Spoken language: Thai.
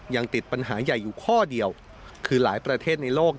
ยังติดปัญหาใหญ่อยู่ข้อเดียวคือหลายประเทศในโลก